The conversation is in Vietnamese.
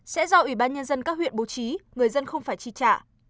sẽ do ubnd các huyện bố trí người dân không phải chi trả